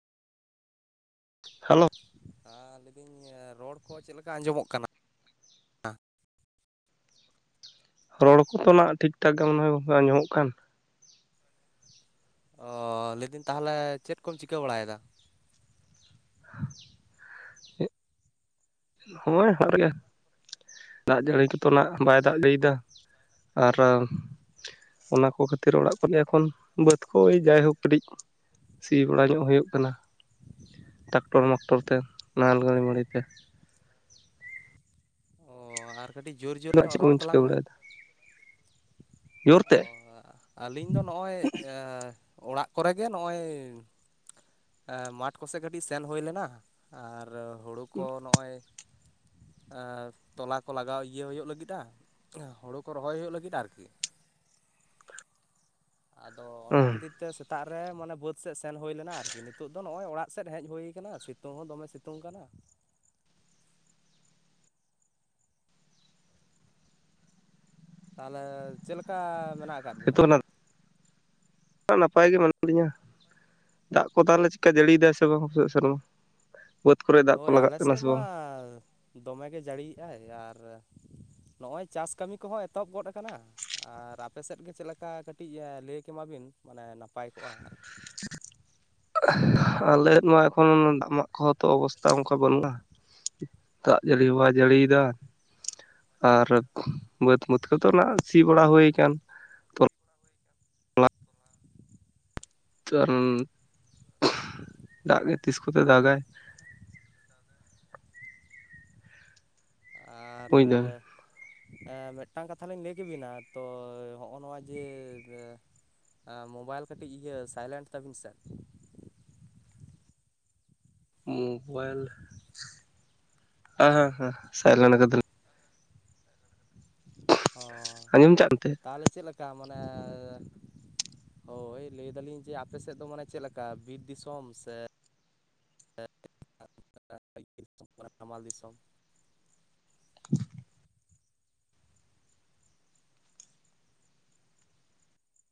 hello ᱦᱮᱸ ᱞᱟᱹᱭᱫᱟᱹᱧ ᱨᱚᱲ ᱠᱚ ᱪᱮᱫᱮᱠᱟ ᱟᱸᱡᱚᱢᱚᱜ ᱠᱟᱱᱟ ᱨᱚᱲ ᱠᱚᱛᱚ ᱱᱟᱜ ᱴᱷᱤᱠ ᱴᱷᱟᱠ ᱜᱮ ᱢᱚᱱᱮ ᱦᱚᱭ ᱟᱸᱡᱚᱢᱚᱜ ᱠᱟᱱ ᱚᱻ ᱞᱟᱹᱭᱫᱟᱹᱧ ᱛᱟᱦᱞᱮ ᱪᱮᱫ ᱠᱚᱢ ᱪᱤᱠᱟᱹ ᱵᱟᱲᱟᱭᱫᱟ [inaudible] ᱦᱳᱭ ᱦᱮᱱᱟᱜ ᱞᱮ ᱜᱮᱭᱟ ᱫᱟᱜ ᱡᱟᱹᱲᱤ ᱠᱚᱛᱚ ᱱᱟᱜ ᱵᱟᱭ ᱫᱟᱜ ᱚ ᱤᱫᱤᱫᱟ ᱟᱨ ᱚᱱᱟ ᱠᱚ ᱠᱷᱟᱹᱛᱤᱨ ᱚᱲᱟᱜ ᱠᱚᱨᱮ ᱮᱠᱷᱚᱱ ᱵᱟᱹᱫᱽ ᱠᱚ ᱡᱟᱭᱦᱳᱠ ᱠᱟᱹᱴᱤᱡ ᱥᱤ ᱵᱟᱲᱟ ᱧᱚᱜ ᱦᱩᱭᱩᱜ ᱠᱟᱱᱟ ᱴᱟᱠᱴᱚᱨ ᱢᱟᱠᱴᱚᱨ ᱛᱮ ᱱᱟᱦᱮᱞ ᱜᱟᱹᱲᱤ ᱢᱟᱹᱲᱤ ᱛᱮ ᱚ ᱟᱨ ᱠᱟᱹᱴᱤᱡ ᱡᱳᱨ ᱡᱳᱨ ᱧᱚᱜ ᱪᱮᱫ ᱨᱚᱲ ᱠᱚᱵᱤᱱ ᱪᱤᱠᱟᱹ ᱛᱟᱞᱟᱝ ᱢᱮ ᱵᱟᱲᱟᱭᱮᱫᱟ ᱡᱳᱨ ᱚ ᱛᱮ ᱟᱹᱞᱤᱧ ᱫᱚ ᱱᱚᱜᱼᱚᱭ ᱮ ᱚᱲᱟᱜ ᱠᱚᱨᱮ ᱜᱮ ᱱᱚᱜᱼᱚᱭ ᱮ ᱢᱟᱴᱷ ᱠᱚᱥᱮ ᱠᱟᱹᱴᱤᱡ ᱥᱮᱱ ᱦᱩᱭ ᱞᱮᱱᱟ ᱟᱨ ᱦᱩᱲᱩ ᱠᱚ ᱱᱚᱜᱼᱚᱭ ᱮ ᱛᱚᱞᱟ ᱠᱚ ᱞᱟᱜᱟᱣ ᱤᱭᱟᱹ ᱦᱩᱭᱩᱜ ᱞᱟᱹᱜᱤᱫᱼᱟ ᱚ ᱦᱳᱲᱩ ᱠᱚ ᱨᱚᱦᱚᱭ ᱦᱩᱭᱩᱜ ᱞᱟᱹᱜᱤᱫ ᱟᱨᱠᱤ ᱟᱫᱚ ᱚᱱᱟ ᱦᱩᱸ ᱠᱷᱟᱹᱛᱤᱨ ᱛᱮ ᱥᱮᱛᱟᱜ ᱨᱮ ᱢᱟᱱᱮ ᱵᱟᱹᱫᱽ ᱥᱮᱫ ᱥᱮᱱ ᱦᱩᱭ ᱞᱮᱱᱟ ᱟᱨᱠᱤ ᱱᱤᱛᱚᱜ ᱫᱚ ᱱᱚᱜᱼᱚᱭ ᱚᱲᱟᱜ ᱥᱮᱫ ᱦᱮᱡ ᱦᱩᱭ ᱠᱟᱱᱟ ᱥᱤᱛᱩᱝ ᱦᱚᱸ ᱫᱚᱢᱮ ᱥᱤᱛᱩᱝ ᱠᱟᱱᱟ ᱛᱟᱦᱚᱞᱮ ᱪᱮᱫ ᱞᱮᱠᱟ ᱢᱮᱱᱟᱜ ᱟᱠᱟᱫ ᱵᱤᱱᱟ ᱱᱤᱛᱚᱜ ᱱᱟᱯᱟᱭ ᱜᱮ ᱢᱮᱱᱟᱜ ᱞᱤᱧᱟ ᱫᱟᱜ ᱠᱚ ᱛᱟᱦᱚᱞᱮ ᱪᱮᱜᱠᱟ ᱡᱟᱹᱲᱤᱫᱟᱭ ᱥᱮ ᱵᱟᱝ ᱥᱮᱨᱢᱟ ᱵᱟᱹᱫᱽ ᱠᱚᱨᱮ ᱫᱟᱜ ᱠᱚ ᱦᱳᱭ ᱞᱟᱜᱟᱜ ᱟᱞᱮ ᱠᱟᱱᱟ ᱥᱮ ᱵᱟᱝ [unintelligible] ᱫᱚᱢᱮ ᱜᱮ ᱡᱟᱹᱲᱤᱭᱮᱫᱼᱟ ᱟᱨ ᱱᱚᱜᱼᱚᱭ ᱪᱟᱥ ᱠᱟᱹᱢᱤ ᱠᱚᱦᱚᱸ ᱮᱛᱚᱦᱚᱵ ᱜᱚᱫ ᱠᱟᱱᱟ ᱟᱨ ᱟᱯᱮ ᱥᱮᱫ ᱜᱮ ᱪᱮᱫ ᱞᱮᱠᱟ ᱠᱟᱹᱴᱤᱡ ᱞᱟᱹᱭ ᱠᱮᱢᱟᱵᱤᱱ ᱢᱟᱱᱮ ᱱᱟᱯᱟᱭ ᱠᱚᱜᱼᱟ ᱟᱨ ᱟᱞᱮ [unintelligible] ᱠᱚ ᱦᱚᱸ ᱛᱚ ᱚᱵᱚᱥᱛᱷᱟ ᱚᱱᱠᱟ ᱵᱟᱹᱱᱩᱜᱼᱟ ᱫᱟᱜ ᱡᱟᱹᱲᱤ ᱦᱚᱸ ᱵᱟᱭ ᱡᱟᱹᱲᱤᱭᱮᱫᱟ ᱟᱨ ᱵᱟᱹᱫᱽ ᱢᱟᱹᱫᱽ ᱠᱚᱫᱚ ᱱᱟᱜ ᱥᱤ ᱵᱟᱲᱟ ᱦᱩᱭ ᱠᱟᱱ [unintelligible] ᱫᱟᱜ ᱜᱮ ᱛᱤᱥ ᱠᱚᱛᱮ ᱫᱟᱜ ᱟᱭ ᱟᱨ ᱵᱩᱡ ᱫᱟᱢ ᱮᱸ ᱢᱤᱫᱴᱟᱝ ᱠᱟᱛᱷᱟ ᱞᱤᱧ ᱞᱟᱹᱭ ᱠᱮᱵᱤᱱᱟ ᱛᱚ ᱦᱚᱸᱜᱼᱚ ᱱᱚᱣᱟ ᱡᱮ ᱢᱳᱵᱟᱭᱤᱞ ᱠᱟᱹᱴᱤᱡ ᱤᱭᱟᱹ ᱥᱟᱭᱞᱮᱱᱴ ᱛᱟᱹᱵᱤᱱ ᱥᱮ ᱢᱚᱵᱟᱭᱤᱞ [inaudible] ᱥᱟᱭᱞᱮᱱᱴ ᱠᱟᱫᱟᱞᱤᱧ ᱚ ᱟᱸᱡᱚᱢ ᱪᱟᱜ ᱛᱮ ᱛᱟᱦᱞᱮ ᱪᱮᱫ ᱞᱮᱠᱟ ᱢᱟᱱᱮ ᱦᱳᱭ ᱞᱟᱹᱭ ᱫᱟᱞᱤᱧ ᱡᱮ ᱟᱯᱮ ᱥᱮᱫ ᱫᱚ ᱢᱟᱱᱮ ᱪᱮᱫ ᱞᱮᱠᱟ ᱵᱤᱨ ᱫᱤᱥᱚᱢ ᱥᱮ [inaudible] ᱦᱟᱢᱟᱞ ᱫᱤᱥᱚᱢ [inaudible]